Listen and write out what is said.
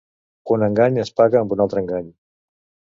Un engany es paga amb un altre engany.